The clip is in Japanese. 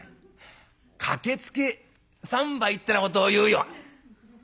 『駆けつけ三杯』ってなことを言うよ」。